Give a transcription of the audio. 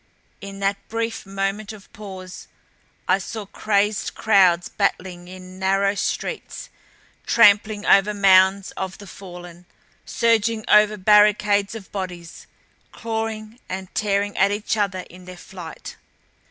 In that brief moment of pause I saw crazed crowds battling in narrow streets, trampling over mounds of the fallen, surging over barricades of bodies, clawing and tearing at each other in their flight.